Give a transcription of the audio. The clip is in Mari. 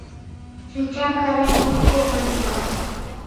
Шинчам карен кӱш онча;